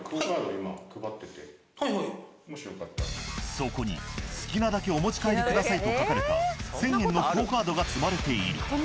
そこに「好きなだけお持ち帰りください」と書かれた１，０００円のＱＵＯカードが積まれている。